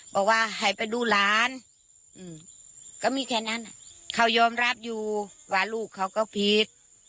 บอกว่าให้ไปดูหลานก็มีแค่นั้นเขายอมรับอยู่ว่าลูกเขาก็ผิด